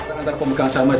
kita antar pemegang saham aja